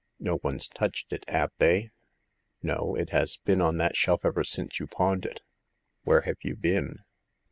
No one's touched it, 'ave they ?"No. It has been on that shelf ever since you pawned it. Where have you been